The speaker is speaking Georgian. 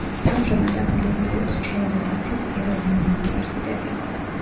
ამჟამად აქ მდებარეობს ჩერნოვცის ეროვნული უნივერსიტეტი.